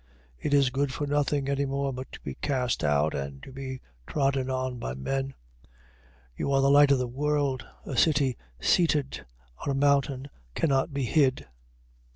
It is good for nothing anymore but to be cast out, and to be trodden on by men. 5:14. You are the light of the world. A city seated on a mountain cannot be hid.